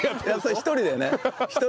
１人でね。